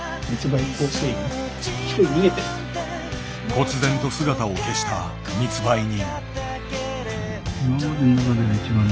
こつ然と姿を消した密売人。